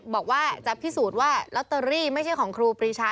บอกว่าจะพิสูจน์ว่าลอตเตอรี่ไม่ใช่ของครูปรีชา